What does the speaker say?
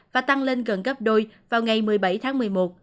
và tăng lên gần gấp đôi vào ngày một mươi bảy tháng một mươi một